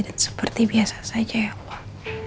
dan seperti biasa saja ya allah